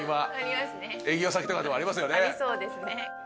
ありそうですね。